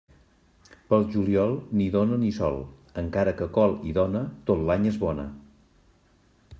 Pel juliol, ni dona ni sol, encara que col i dona, tot l'any és bona.